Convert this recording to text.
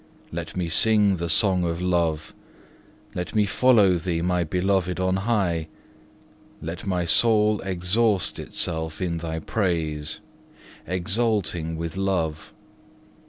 Let me sing the song of love, let me follow Thee my Beloved on high, let my soul exhaust itself in Thy praise, exulting with love.